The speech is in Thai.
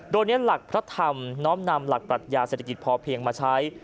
โดยเน้นหลักพระธรรมน้อมนำหลักปรัชญาเศรษฐกิจพอเพียงมาใช้